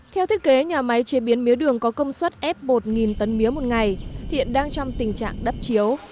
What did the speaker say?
theo thiết kế nhà máy chế biến mía đường có công suất f một tấn mía một ngày hiện đang trong tình trạng đắp chiếu